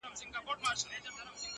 ته کرار کینه اندېښنه ونکړې